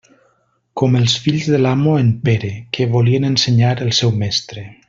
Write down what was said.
Com els fills de l'amo en Pere, que volien ensenyar el seu mestre.